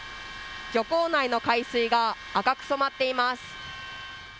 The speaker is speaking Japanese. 漁港内の海水が赤く染まっています。